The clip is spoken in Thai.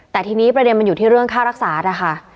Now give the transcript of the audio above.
แต่ทีนี้ประเด็นมันอยู่ที่เรื่องค่ารักษานะคะ